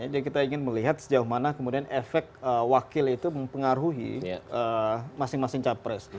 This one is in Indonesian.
jadi kita ingin melihat sejauh mana efek wakil itu mempengaruhi masing masing capres